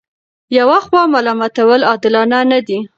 یوه خوا ملامتول عادلانه نه دي.